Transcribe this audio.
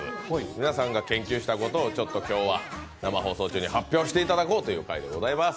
皆さんが研究したことを今日は生放送中に発表していただこうという回でございます！